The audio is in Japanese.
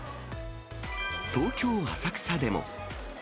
東京・浅草でも。